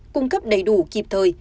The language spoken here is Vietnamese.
cung cấp đầy đủ kịp thời